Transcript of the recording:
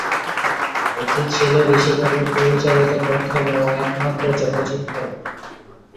এটি ছিলো ঋষি কাপুর পরিচালিত প্রথম এবং একমাত্র চলচ্চিত্র।